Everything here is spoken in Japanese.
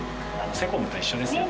セコムと一緒ですよね。